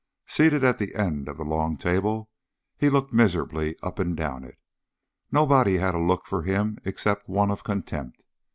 Seated at the end of the long table he looked miserably up and down it. Nobody had a look for him except one of contempt.